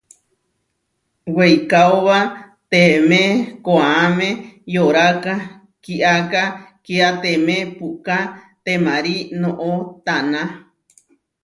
Weikaóba teemé koʼáme yoráka, kiáka kiáteme puʼká temarí noʼó taná.